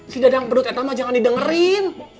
sida dang perut etama jangan didengerin